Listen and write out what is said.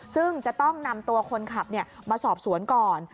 ซึ่งจะต้องนำตัวคนขับมาสอบสวนก่อน